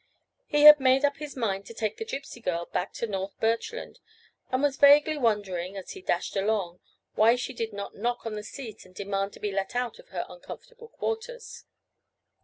He had made up his mind to take the Gypsy girl back to North Birchland, and was vaguely wondering, as he dashed along, why she did not knock on the seat and demand to be let out of her uncomfortable quarters.